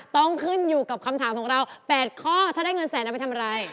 ต้องขึ้นอยู่กับคำถามของเรา๘ข้อถ้าได้เงินแสนเอาไปทำอะไร